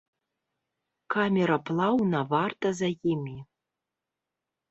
Камера плаўна варта за імі.